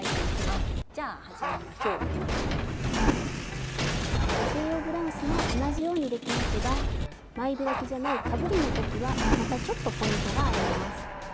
スタジオ女性用ブラウスも同じようにできますが前開きじゃないかぶりの時はまたちょっとポイントがあります。